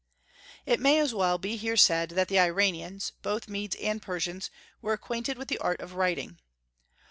It may as well be here said that the Iranians, both Medes and Persians, were acquainted with the art of writing.